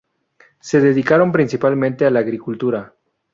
Se dedicaron principalmente a la agricultura.